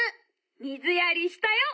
「みずやりしたよ！」。